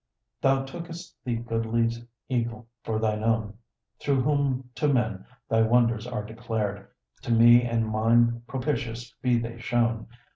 Thou took'st the goodly eagle for thine own, Through whom to men thy wonders are declared; To me and mine propitious be they shown!